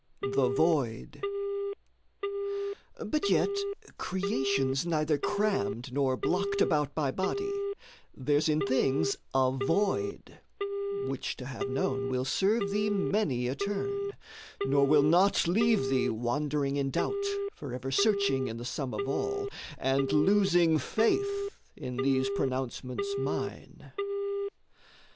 THE VOID But yet creation's neither crammed nor blocked About by body: there's in things a void Which to have known will serve thee many a turn, Nor will not leave thee wandering in doubt, Forever searching in the sum of all, And losing faith in these pronouncements mine.